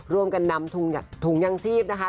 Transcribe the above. ร่วมกันนำถุงยางชีพนะคะ